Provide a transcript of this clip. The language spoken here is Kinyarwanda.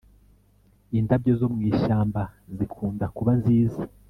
indabyo zo mwishyamba zikunda kuba nziza